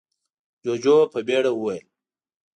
جُوجُو په بيړه وويل: